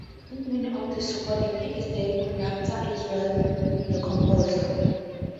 In many of these recordings, he is the conductor as well the composer.